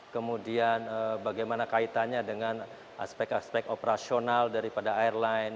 kemudian bagaimana kaitannya dengan aspek aspek operasional daripada airline